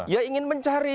ya ingin mencari